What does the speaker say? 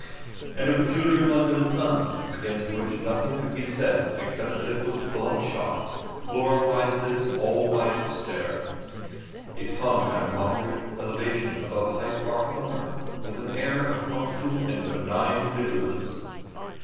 And a peculiarly London sun—against which nothing could be said except that it looked bloodshot—glorified all this by its stare. It hung at a moderate elevation above Hyde Park Corner with an air of punctual and benign vigilance.